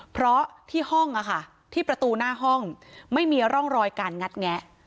เพราะที่ห้องที่ประตูหน้าห้องไม่มีร่องรอยการงัดแงะ